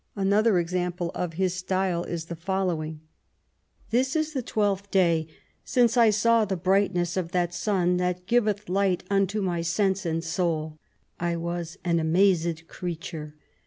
Another example of his style is the following :" This is the twelfth day since I saw the brightness of that sun that giveth light unto my sense and soul. I was an amazed creature.